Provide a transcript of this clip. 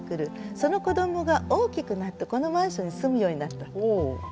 その子どもが大きくなってこのマンションに住むようになったという。